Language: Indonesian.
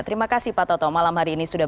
terima kasih pak toto malam hari ini sudah